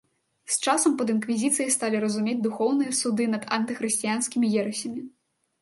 З часам пад інквізіцыяй сталі разумець духоўныя суды над антыхрысціянскімі ерасямі.